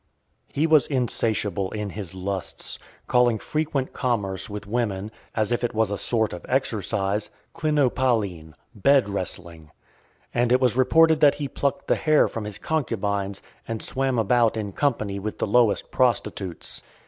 XXII. He was insatiable in his lusts, calling frequent commerce with women, as if it was a sort of exercise, klinopalaen, bed wrestling; and it was reported that he plucked the hair from his concubines, and swam about in company with the lowest prostitutes.